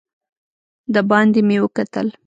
دباندې مې وکتل.